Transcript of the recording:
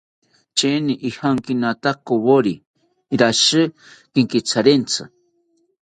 Charini ijankinatakawori rashi kenkitharentzi